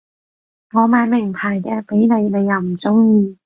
我買名牌嘢畀你你又唔中意